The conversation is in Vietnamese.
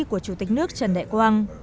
của chủ tịch nước trần đại quang